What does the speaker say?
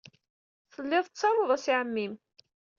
Tellid tettarud-as i ɛemmi-m.